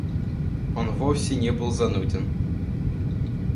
Он вовсе не был зануден.